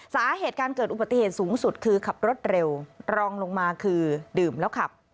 สาเหตุการเกิดอุบัติเหตุสูงสุดคือขับรถเร็วรองลงมาคือดื่มแล้วขับ